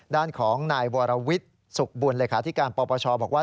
ด้านของนายวารวิศุกษ์บุญเลยค่ะที่การปปชบอกว่า